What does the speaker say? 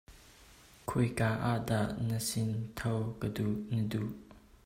Khoi kaa ah dah na si thoh na duh?